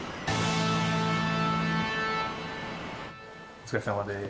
お疲れさまです。